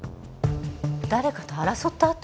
誰かと争った跡？